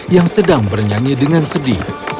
yang sedang bernyanyi dengan sedih